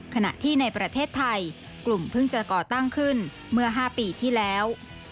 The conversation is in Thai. ขณะที่ในประเทศไทยกลุ่มเพิ่งจะก่อตั้งขึ้นเมื่อ๕ปีที่แล้ว